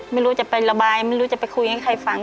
ไม่รู้จะไประบายไม่รู้จะไปคุยให้ใครฟัง